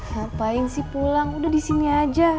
ngapain sih pulang udah disini aja